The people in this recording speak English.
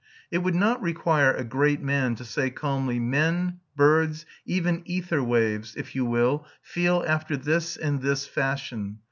It would not require a great man to say calmly: Men, birds, even ether waves, if you will, feel after this and this fashion.